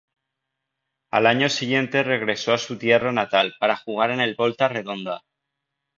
Al año siguiente regresó a su tierra natal para jugar en el Volta Redonda.